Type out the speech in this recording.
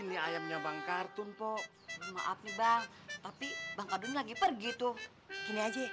nih ayam kan udah bak kita